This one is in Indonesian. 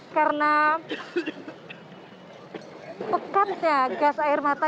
karena pekatnya gas air mata